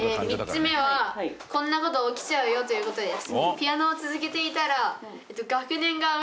３つ目は「こんなこと起きちゃうよ」ということです。